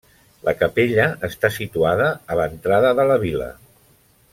La capella està situada a l'entrada de la vila.